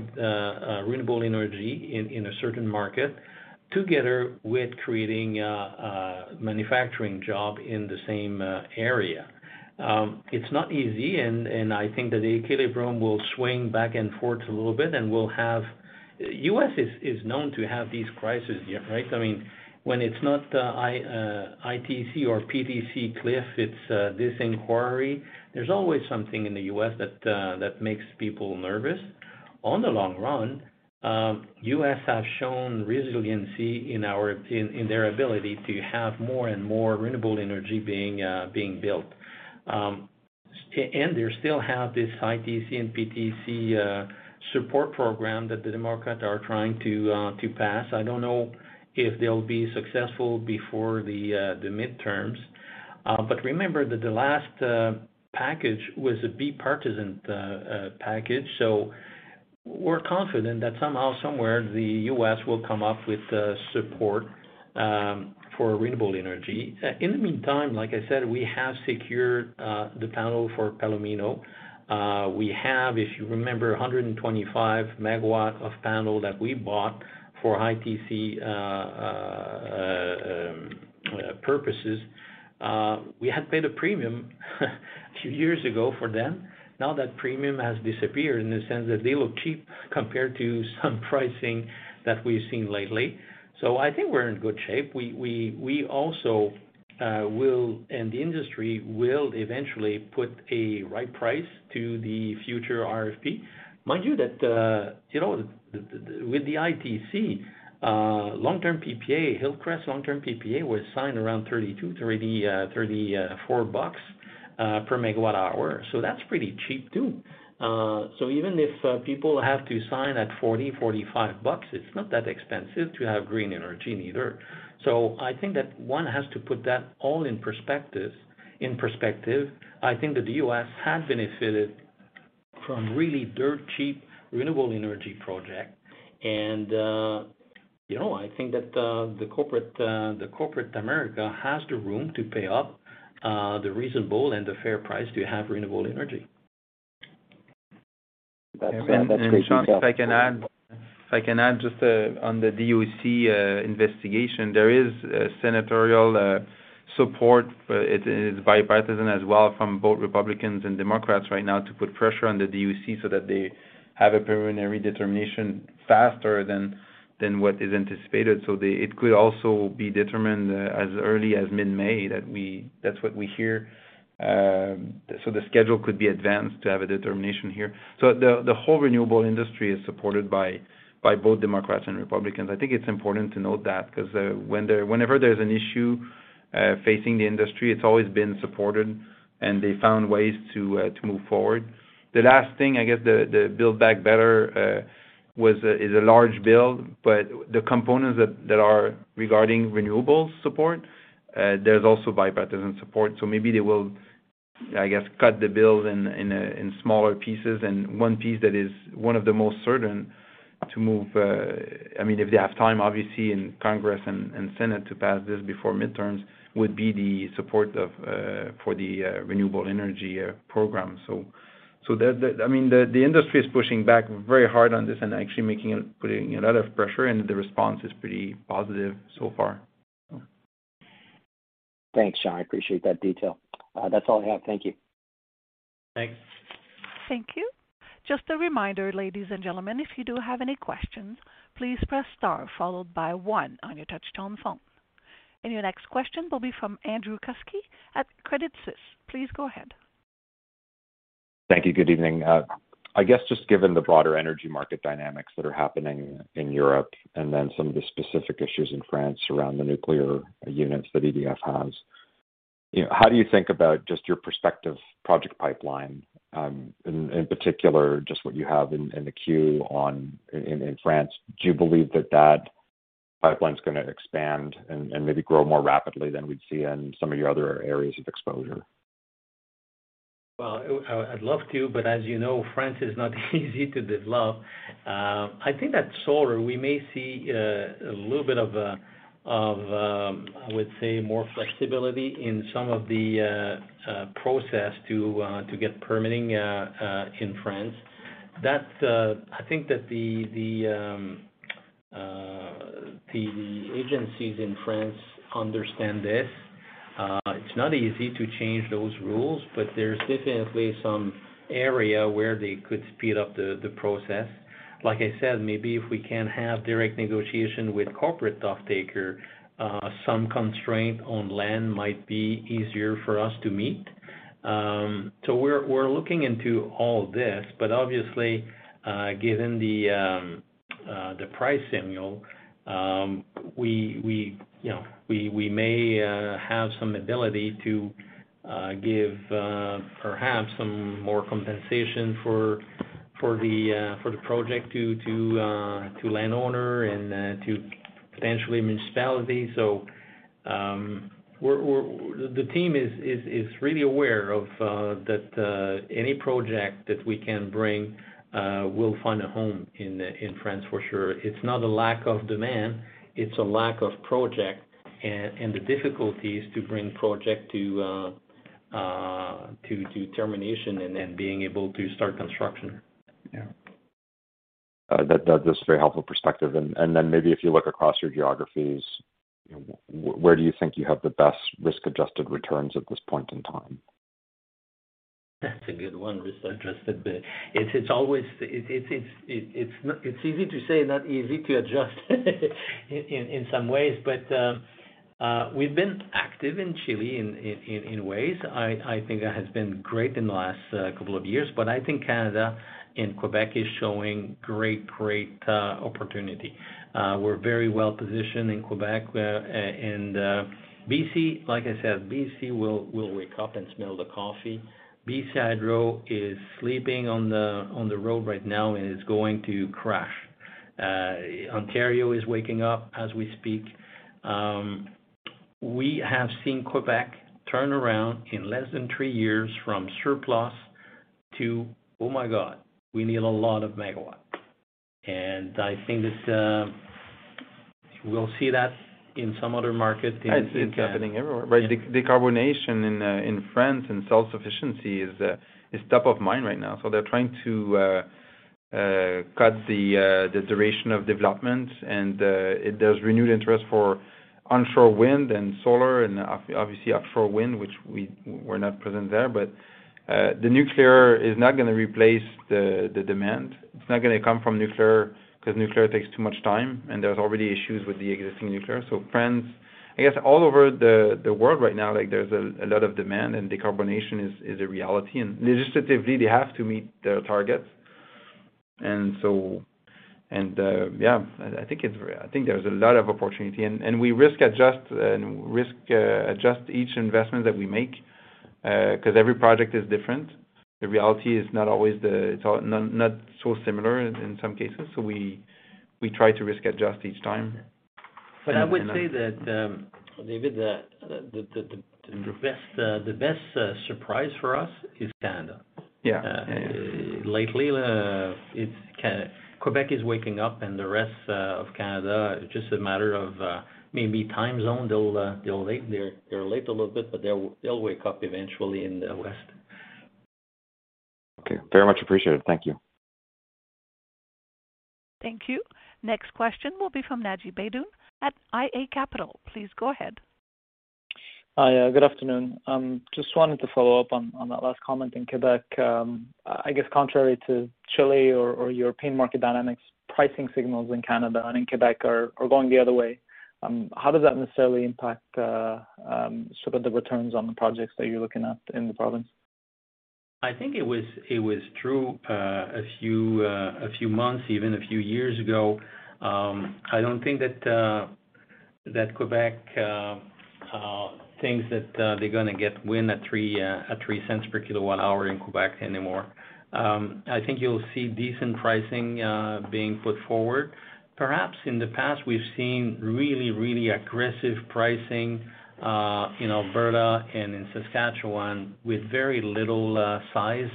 renewable energy in a certain market together with creating manufacturing jobs in the same area. It's not easy, and I think that the equilibrium will swing back and forth a little bit. U.S. is known to have these crises, right? I mean, when it's not ITC or PTC cliff, it's this inquiry. There's always something in the U.S. that makes people nervous. In the long run, U.S. have shown resiliency in their ability to have more and more renewable energy being built. They still have this ITC and PTC support program that the Democrats are trying to pass. I don't know if they'll be successful before the midterms. Remember that the last package was a bipartisan package. We're confident that somehow, somewhere the US will come up with support for renewable energy. In the meantime, like I said, we have secured the panel for Palomino. We have, if you remember, 125 megawatt of panel that we bought for ITC purposes. We had paid a premium a few years ago for them. Now that premium has disappeared in the sense that they look cheap compared to some pricing that we've seen lately. I think we're in good shape. We also will, and the industry will eventually put a right price to the future RFP. Mind you that with the ITC long-term PPA, Hillcrest long-term PPA was signed around $32-$34 per megawatt hour. That's pretty cheap too. Even if people have to sign at $40-$45, it's not that expensive to have green energy either. I think that one has to put that all in perspective. I think that the U.S. has benefited from really dirt cheap renewable energy project. You know, I think that the corporate America has the room to pay up the reasonable and the fair price to have renewable energy. That's great detail. Sean, if I can add just on the DOC investigation, there is senatorial support. It is bipartisan as well from both Republicans and Democrats right now to put pressure on the DOC so that they have a preliminary determination faster than what is anticipated. They could also be determined as early as mid-May, that's what we hear. The schedule could be advanced to have a determination here. The whole renewable industry is supported by both Democrats and Republicans. I think it's important to note that, because whenever there's an issue facing the industry, it's always been supported and they found ways to move forward. The last thing, I guess, the Build Back Better is a large bill, but the components that are regarding renewables support, there's also bipartisan support. Maybe they will, I guess, cut the bill in smaller pieces. One piece that is one of the most certain to move, I mean, if they have time, obviously, in Congress and Senate to pass this before midterms, would be the support for the renewable energy program. The industry is pushing back very hard on this and actually putting a lot of pressure, and the response is pretty positive so far. Thanks, Jean. I appreciate that detail. That's all I have. Thank you. Thanks. Thank you. Just a reminder, ladies and gentlemen, if you do have any questions, please press star followed by one on your touchtone phone. Your next question will be from Andrew Kuske at Credit Suisse. Please go ahead. Thank you. Good evening. I guess just given the broader energy market dynamics that are happening in Europe and then some of the specific issues in France around the nuclear units that EDF has, you know, how do you think about just your prospective project pipeline, in particular, just what you have in the queue in France? Do you believe that that pipeline's gonna expand and maybe grow more rapidly than we'd see in some of your other areas of exposure? Well, I'd love to, but as you know, France is not easy to develop. I think that solar, we may see a little bit of, I would say more flexibility in some of the process to get permitting in France. That's, I think that the agencies in France understand this. It's not easy to change those rules, but there's definitely some area where they could speed up the process. Like I said, maybe if we can have direct negotiation with corporate off-taker, some constraint on land might be easier for us to meet. We're looking into all this, but obviously, given the price signal, you know, we may have some ability to give perhaps some more compensation for the project to landowner and to potentially municipality. The team is really aware of that any project that we can bring will find a home in France for sure. It's not a lack of demand, it's a lack of project and the difficulties to bring project to termination and then being able to start construction. Yeah. That's a very helpful perspective. Maybe if you look across your geographies, you know, where do you think you have the best risk-adjusted returns at this point in time? That's a good one. Risk-adjusted. It's always. It's easy to say, not easy to adjust in some ways. We've been active in Chile in ways. I think that has been great in the last couple of years. I think Canada and Quebec is showing great opportunity. We're very well-positioned in Quebec. BC, like I said, BC will wake up and smell the coffee. BC Hydro is sleeping on the road right now and is going to crash. Ontario is waking up as we speak. We have seen Quebec turn around in less than three years from surplus to, "Oh my God, we need a lot of megawatts." I think that we'll see that in some other markets in. I think it's happening everywhere, right? Decarbonization in France and self-sufficiency is top of mind right now. They're trying to cut the duration of development. There's renewed interest for onshore wind and solar and obviously offshore wind, which we're not present there. The nuclear is not gonna replace the demand. It's not gonna come from nuclear, 'cause nuclear takes too much time, and there's already issues with the existing nuclear. France. I guess all over the world right now, like, there's a lot of demand, and decarbonization is a reality. Legislatively, they have to meet their targets. Yeah, I think it's very. I think there's a lot of opportunity. We risk-adjust each investment that we make, 'cause every project is different. The reality is not always so similar in some cases. We try to risk-adjust each time. I would say that, maybe, the best surprise for us is Canada. Yeah. Lately, it's Québec is waking up, and the rest of Canada, just a matter of maybe time zone. They're late a little bit, but they'll wake up eventually in the West. Okay. Very much appreciated. Thank you. Thank you. Next question will be from Naji Baydoun at iA Capital Markets. Please go ahead. Hi. Good afternoon. Just wanted to follow up on that last comment in Quebec. I guess contrary to Chile or European market dynamics, pricing signals in Canada and in Quebec are going the other way. How does that necessarily impact some of the returns on the projects that you're looking at in the province? I think it was true a few months, even a few years ago. I don't think that Quebec thinks that they're gonna get wind at 3 cents per kW hour in Quebec anymore. I think you'll see decent pricing being put forward. Perhaps in the past, we've seen really aggressive pricing in Alberta and in Saskatchewan with very little size.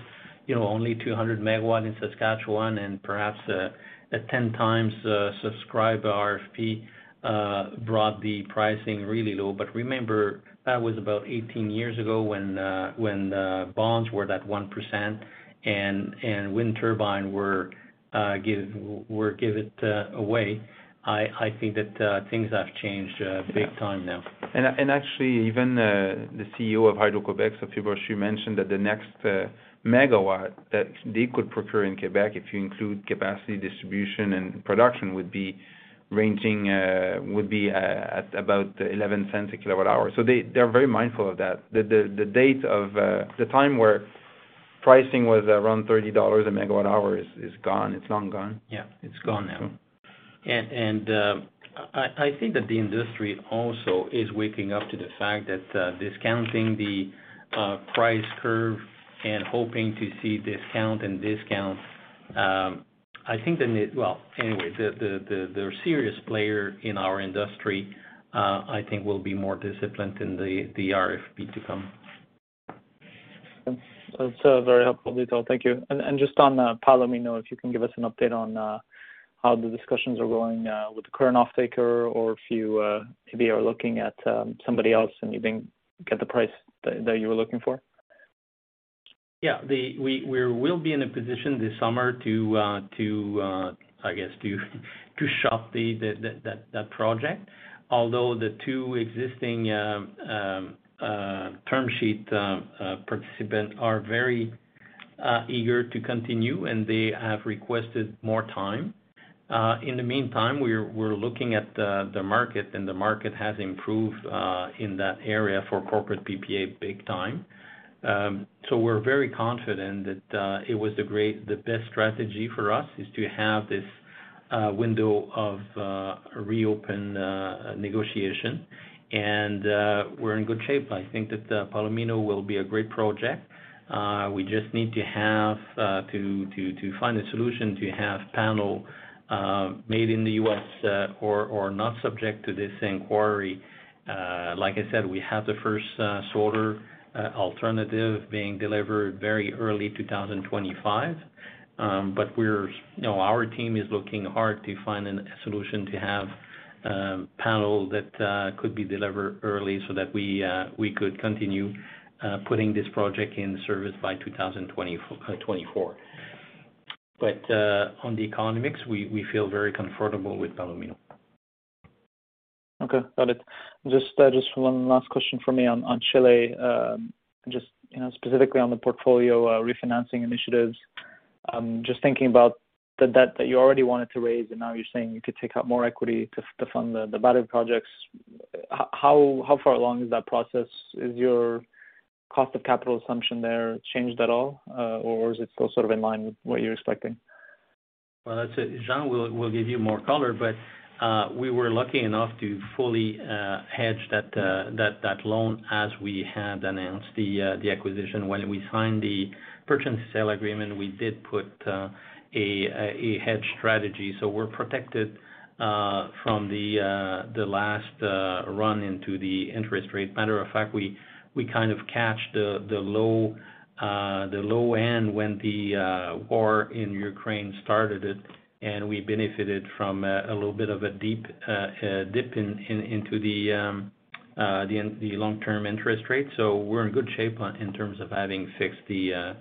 You know, only 200 MW in Saskatchewan and perhaps at 10 times subscribed RFP brought the pricing really low. Remember, that was about 18 years ago when bonds were at 1% and wind turbine were given away. I think that things have changed big time now. Actually, even the CEO of Hydro-Québec, Sophie Brochu, mentioned that the next megawatt that they could procure in Quebec, if you include capacity, distribution, and production, would be at about 0.11/kWh. They are very mindful of that. The date of the time where pricing was around 30 dollars/MWh is gone. It is long gone. Yeah, it's gone now. So- I think that the industry also is waking up to the fact that discounting the price curve and hoping to see discount. Well, anyway, the serious player in our industry I think will be more disciplined in the RFP to come. That's very helpful, Lito. Thank you. Just on Palomino, if you can give us an update on how the discussions are going with the current offtaker, or if you maybe are looking at somebody else and you didn't get the price that you were looking for. We will be in a position this summer to shop that project. Although the two existing term sheet participants are very eager to continue, and they have requested more time. In the meantime, we're looking at the market, and the market has improved in that area for corporate PPA big time. We're very confident that the best strategy for us is to have this window to reopen negotiation. We're in good shape. I think that Palomino will be a great project. We just need to find a solution to have panel made in the U.S. or not subject to this inquiry. Like I said, we have the First Solar alternative being delivered very early 2025. We're, you know, our team is looking hard to find a solution to have panel that could be delivered early so that we could continue putting this project in service by 2024. On the economics, we feel very comfortable with Palomino. Okay. Got it. Just one last question for me on Chile. Just, you know, specifically on the portfolio refinancing initiatives. Just thinking about the debt that you already wanted to raise, and now you're saying you could take out more equity to fund the battery projects. How far along is that process? Is your cost of capital assumption there changed at all, or is it still sort of in line with what you're expecting? Well, that's it. Jean will give you more color, but we were lucky enough to fully hedge that loan as we had announced the acquisition. When we signed the purchase sale agreement, we did put a hedge strategy, so we're protected from the last run-up in the interest rate. Matter of fact, we kind of caught the low end when the war in Ukraine started, and we benefited from a little bit of a deep dip into the long-term interest rate. We're in good shape in terms of having fixed the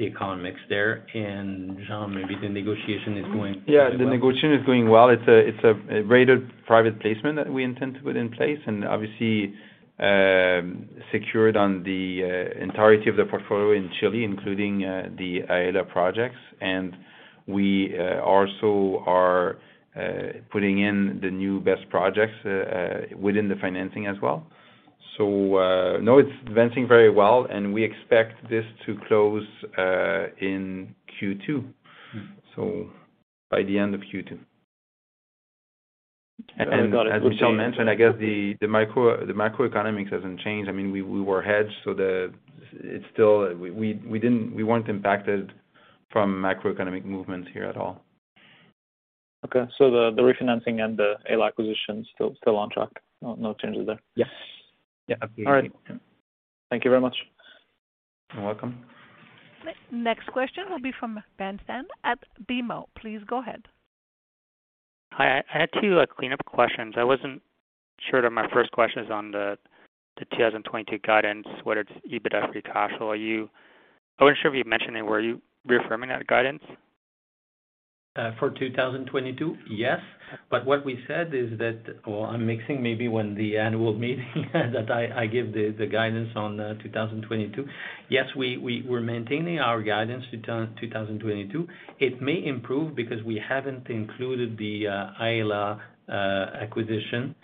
economics there. Jean, maybe the negotiation is going Yeah, the negotiation is going well. It's a rated private placement that we intend to put in place, and obviously secured on the entirety of the portfolio in Chile, including the Aela projects. We also are putting in the new BESS projects within the financing as well. No, it's advancing very well, and we expect this to close in Q2. Mm-hmm. By the end of Q2. Okay. Got it. As Michel mentioned, I guess the macroeconomics hasn't changed. I mean, we were hedged. We weren't impacted from macroeconomic movements here at all. The refinancing and the Aela acquisition is still on track. No changes there? Yes. Yeah. Absolutely. All right. Thank you very much. You're welcome. Next question will be from Ben Pham at BMO. Please go ahead. Hi. I had two cleanup questions. I wasn't sure that my first question is on the 2022 guidance, whether it's EBITDA free cash flow. I wasn't sure if you mentioned it, were you reaffirming that guidance? For 2022? Yes. What we said is that. Well, I'm mixing up maybe when the annual meeting that I give the guidance on 2022. Yes, we're maintaining our guidance for 2022. It may improve because we haven't included the Aela acquisition.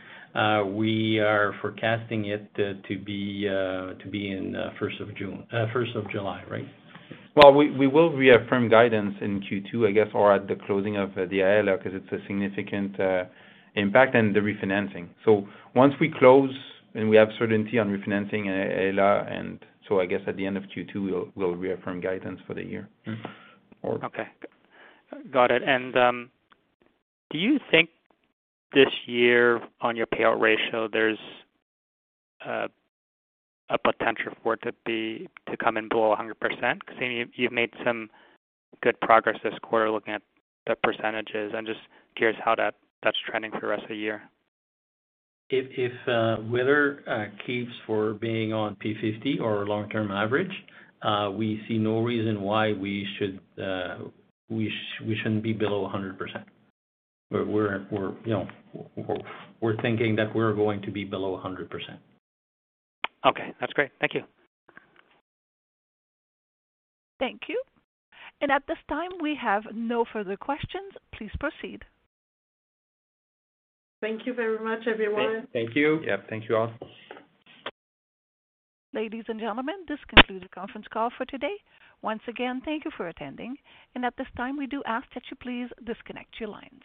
We are forecasting it to be in first of June. First of July, right? Well, we will reaffirm guidance in Q2, I guess, or at the closing of the Aela, 'cause it's a significant impact and the refinancing. Once we close and we have certainty on refinancing Aela and so I guess at the end of Q2 we'll reaffirm guidance for the year. Okay. Got it. Do you think this year on your payout ratio, there's a potential for it to come in below 100%? Because I mean, you've made some good progress this quarter looking at the percentages, I'm just curious how that's trending for the rest of the year. If weather keeps being on P50 or long-term average, we see no reason why we shouldn't be below 100%. We're, you know, we're thinking that we're going to be below 100%. Okay, that's great. Thank you. Thank you. At this time, we have no further questions. Please proceed. Thank you very much, everyone. Thank you. Yeah, thank you all. Ladies and gentlemen, this concludes the conference call for today. Once again, thank you for attending. At this time, we do ask that you please disconnect your lines.